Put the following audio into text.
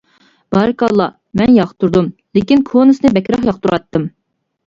بارىكاللا. مەن ياقتۇردۇم. لېكىن كونىسىنى بەكرەك ياقتۇراتتىم!